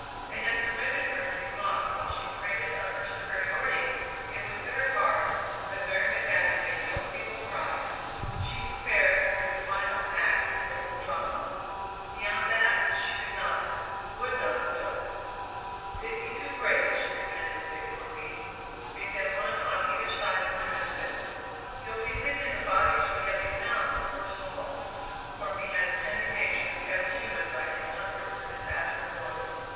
They had permitted her to be mocked while she prated of her superiority! It was bitter hard, but Mary McAdam made no feeble cry she prepared for the final act in the little drama. Beyond that she could not, would not look. "Dig me two graves," she commanded Big Hornby; "dig them one on either side of my husband's." "You'll be thinking the bodies will yet be found, poor soul?" Hornby had a tender nature kept human by his hunger for his absent boys.